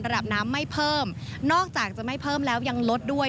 ระดับน้ำไม่เพิ่มนอกจากจะไม่เพิ่มแล้วยังลดด้วย